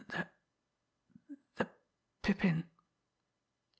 "The the Pippin.